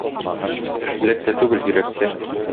Эш беләктә түгел, йөрәктә.